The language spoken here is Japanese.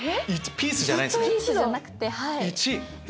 ピースじゃなくて「１」。